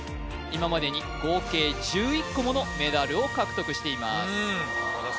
今までに合計１１個ものメダルを獲得しています